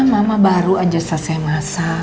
mama baru aja saseh masak